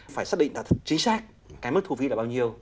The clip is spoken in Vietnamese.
phải xác định thật chính xác cái mức thu phí là bao nhiêu